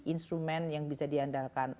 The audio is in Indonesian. instrumen yang bisa diandalkan